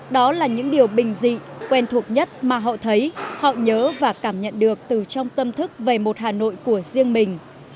đó là những điều bình dị quen thuộc nhất mà họ thấy họ nhớ và cảm nhận được từ trong tâm thức về một hà nội của riêng mình